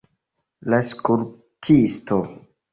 La skulptisto.